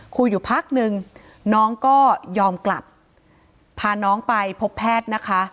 คุยอยู่พักนึงน้องก็ยอมกลับพาน้องไปพบแพทย์นะคะ